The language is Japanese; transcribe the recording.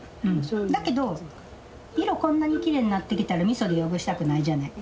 だけど色こんなにきれいになってきたらみそで汚したくないじゃない。